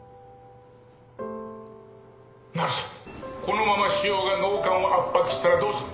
このまま腫瘍が脳幹を圧迫したらどうする？